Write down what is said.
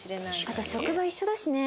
あと職場一緒だしね